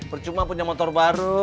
bercuma punya motor baru